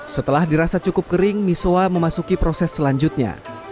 setelah dirasa cukup kering misoa ⁇ memasuki proses selanjutnya